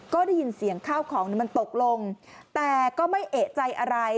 ก็ได้ยินเสียงข้าวของมันตกลงแต่ก็ไม่เอกใจอะไร